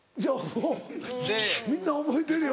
うんみんな覚えてるよ